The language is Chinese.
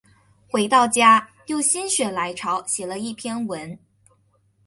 回到家又心血来潮写了一篇文